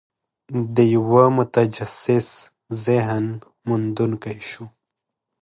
د یوه متجسس ذهن موندونکي شو.